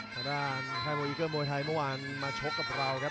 ทางด้านค่ายมวยอีเกอร์มวยไทยเมื่อวานมาชกกับเราครับ